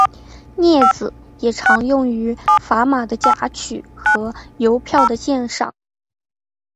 镊子也常用于砝码的夹取和邮票的鉴赏。